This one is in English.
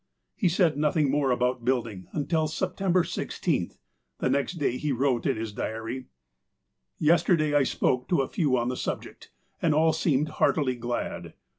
He said nothing more about building, until September 16th. The next day he wrote in his diary :*' Yesterday J spoke to a few on the subject, and all seemed heartily glad.